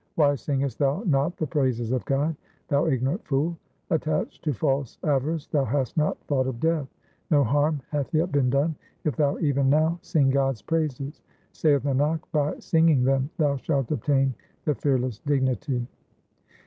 Why singest thou not the praises of God, thou ignorant fool ? Attached to false avarice thou hast not thought of death ; No harm hath yet been done if thou even now sing God's praises. Saith Nanak, by singing them thou shalt obtain the fear less dignity.